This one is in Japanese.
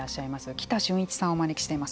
北俊一さんをお招きしています。